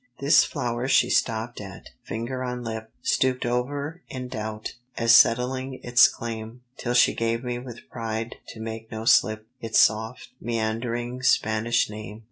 "'This flower she stopped at, finger on lip, Stooped over in doubt, as settling its claim, Till she gave me with pride to make no slip, Its soft, meandering Spanish name.